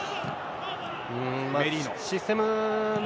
システムの。